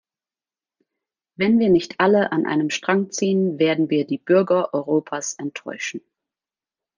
Wenn wir nicht alle an einem Strang ziehen, werden wir die Bürger Europas enttäuschen.